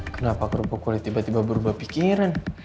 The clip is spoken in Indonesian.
kenapa kerupuk kulit tiba tiba berubah pikiran